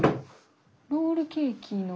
ロールケーキの。